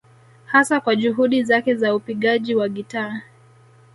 Hasa kwa juhudi zake za upigaji wa gitaa